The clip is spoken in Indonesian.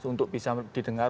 untuk bisa didengar